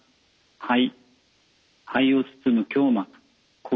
はい。